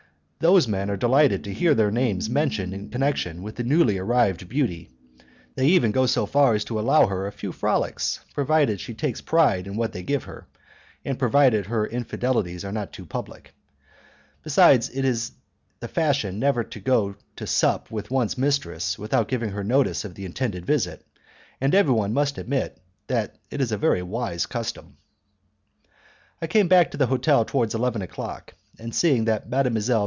Those men are delighted to hear their names mentioned in connection with the newly arrived beauty; they even go so far as to allow her a few frolics, provided she takes pride in what they give her, and provided her infidelities are not too public. Besides, it is the fashion never to go to sup with one's mistress without giving her notice of the intended visit, and everyone must admit that it is a very wise custom. I came back to the hotel towards eleven o'clock, and seeing that Mdlle.